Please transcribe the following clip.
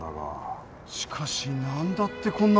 しかし何だってこんなものが？